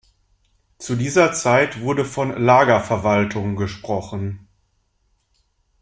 Zu dieser Zeit wurde von "Lagerverwaltung" gesprochen.